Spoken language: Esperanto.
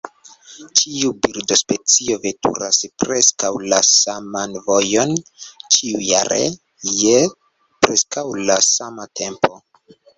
Ĉiu birdospecio veturas preskaŭ la saman vojon ĉiujare, je preskaŭ la sama tempo.